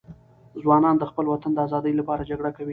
ځوانان د خپل وطن د آزادي لپاره جګړه کوي.